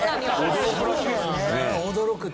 驚くって。